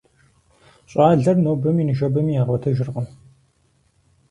ЩӀалэр нобэми ныжэбэми ягъуэтыжыркъым.